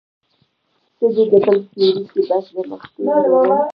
څه دي د بل سيوري کې، بس د مختورۍ منل